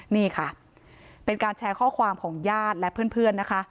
นี่ค่ะเป็นการแชร์ข้อความของญาติและเพื่อนนะคะ